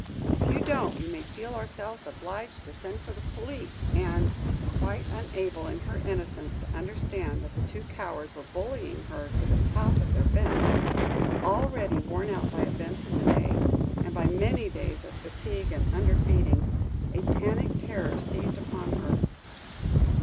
If you don't, we may feel ourselves obliged to send for the police and " Quite unable, in her innocence, to understand that the two cowards were bullying her to the top of their bent; already worn out by the events of the day, and by many days of fatigue and under feeding, a panic terror seized upon her.